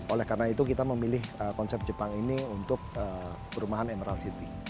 oleh karena itu kita memilih konsep jepang ini untuk perumahan emerald city